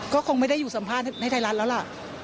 ก็คงไม่ได้อยู่สัมภาษณ์ในไทยรัฐแล้วล่ะ